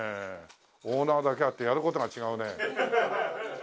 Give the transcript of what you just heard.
オーナーだけあってやる事が違うね。